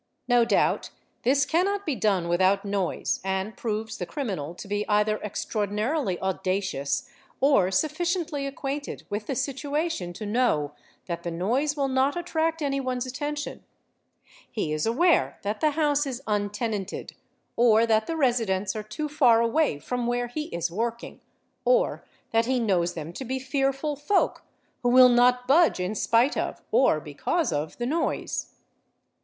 No doubt this cannot be done without noise and proves — the criminal to be either extraordinarily audacious or sufficiently acquain | ted with the situation to know that the noise will not attract anyone's _ attention; he is aware that the house is untenanted, or that the residents are too far away from where he is working, or that he knows them to | be fearful folk who will not budge in spite of, or because of, the noise.